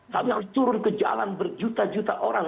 sampai turun ke jalan berjuta juta orang